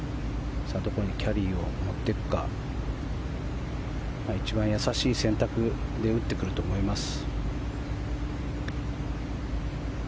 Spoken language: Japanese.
どこにキャリーを持っていくか一番易しい選択で打ってくると思います。